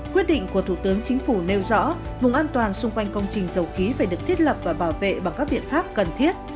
quyết định của thủ tướng chính phủ nêu rõ vùng an toàn xung quanh công trình dầu khí phải được thiết lập và bảo vệ bằng các biện pháp cần thiết